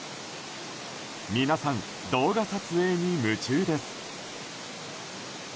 皆さん、動画撮影に夢中です。